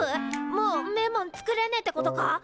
もうんめえもん作れねえってことか！？